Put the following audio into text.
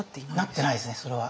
なってないですねそれは。